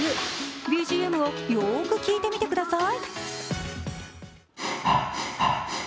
ＢＧＭをよーく聴いてみてください。